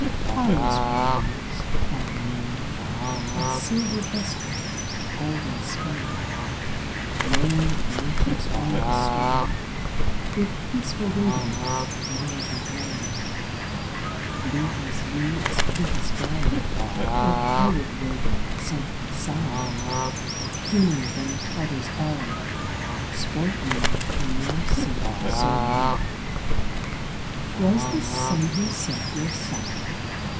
Harmless warriors, clad in mail Of silver breastplate, golden scale; Mail of Nature's own bestowing, With peaceful radiance, mildly glowing Fleet are ye as fleetest galley Or pirate rover sent from Sallee; Keener than the Tartar's arrow, Sport ye in your sea so narrow. Was the sun himself your sire?